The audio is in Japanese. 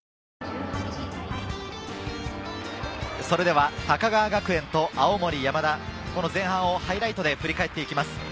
それでは高川学園と青森山田、前半をハイライトで振り返っていきます。